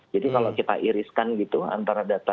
jadi kalau kita iriskan gitu antara data